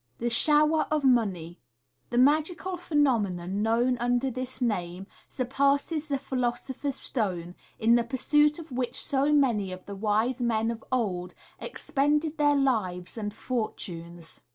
The Shower of Money. — The magical phenomenon known under this name surpasses the philosopher's stone, in the pursuit of which so many of the wise men of old expended their lives and for tunes.